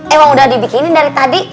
emang udah dibikinin dari tadi